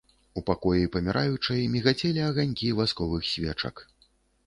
У пакоі паміраючай мігацелі аганькі васковых свечак.